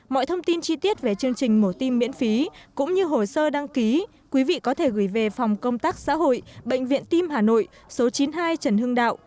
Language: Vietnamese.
mọi thông tin chi tiết về chương trình mổ tim miễn phí cũng như hồ sơ đăng ký quý vị có thể gửi về phòng công tác xã hội bệnh viện tim hà nội số chín mươi hai trần hưng đạo